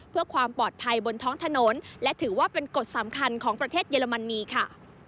เพื่อความปลอดภัยบนท้องถนนและถือว่าเป็นกฎสำคัญของประเทศเยอรมนีค่ะ